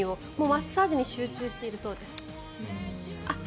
マッサージに集中しているそうです。